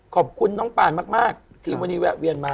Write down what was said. ขอบคุณน้องปานมากที่วันนี้แวะเวียนมา